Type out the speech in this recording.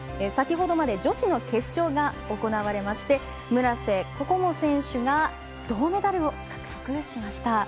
先ほどまで女子の決勝が行われまして村瀬心椛選手が銅メダルを獲得しました。